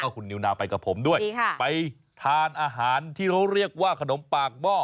คุณนิวนาวไปกับผมด้วยไปทานอาหารที่เขาเรียกว่าขนมปากหม้อ